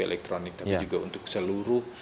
elektronik tapi juga untuk seluruh